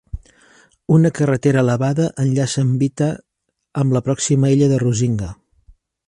Una carretera elevada enllaça Mbita amb la pròxima illa de Rusinga.